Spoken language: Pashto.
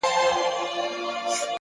فکرونه د برخلیک تخمونه دي!